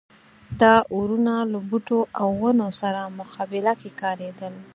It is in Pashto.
دا اورونه له بوټو او ونو سره مقابله کې کارېدل.